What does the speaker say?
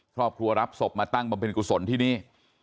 ครอบครัวรับศพมาตั้งบำเพ็ญกุศลที่นี่